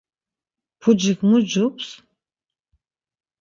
Pucik mu cups?